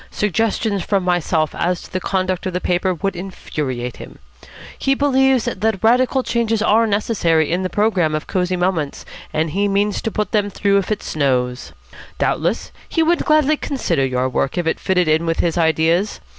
Suggestions from myself as to the conduct of the paper would infuriate him. He believes that radical changes are necessary in the programme of Cosy Moments, and he means to put them through if it snows. Doubtless he would gladly consider your work if it fitted in with his ideas.